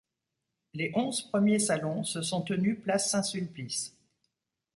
Les onze premiers salons se sont tenus place Saint-Sulpice.